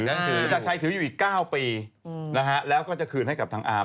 หนังสือจากชัยถืออยู่อีก๙ปีนะฮะแล้วก็จะคืนให้กับทางอาร์ม